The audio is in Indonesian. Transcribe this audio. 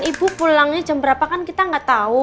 ibu pulangnya jam berapa kan kita nggak tahu